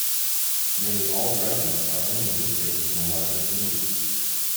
Nearly all dry zones are only a district within a larger community.